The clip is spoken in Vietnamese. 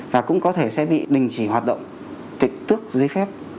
và cũng có thể sẽ bị đình chỉ hoạt động tịch tước giấy phép